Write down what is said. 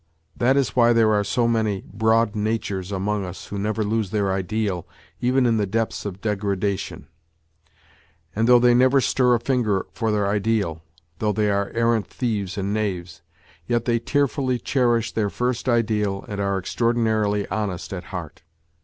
That is why there are so many " broad natures " among us who never lose their ideal even in the depths of degrada tion ; and though they never stir a finger for their ideal, though they are arrant thieves and knaves, yet they tearfully cherish their first ideal and are extraordinarily honest at heart.